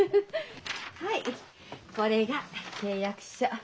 はいこれが契約書。